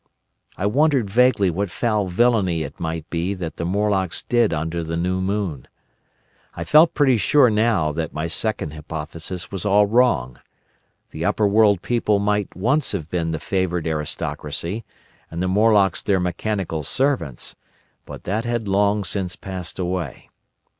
I wondered vaguely what foul villainy it might be that the Morlocks did under the new moon. I felt pretty sure now that my second hypothesis was all wrong. The Upperworld people might once have been the favoured aristocracy, and the Morlocks their mechanical servants: but that had long since passed away.